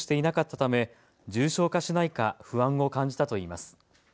ため重症化しないか不安を感じたといいます。